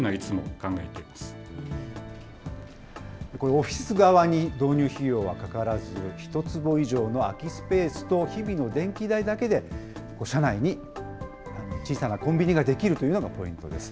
オフィス側に導入費用はかからず、ひと坪以上の空きスペースと日々の電気代だけで、社内に小さなコンビニが出来るというのがポイントです。